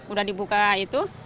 udah dibuka itu